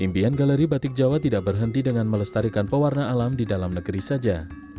impian galeri batik jawa tidak berhenti dengan melestarikan pewarna alam di dalam negeri saja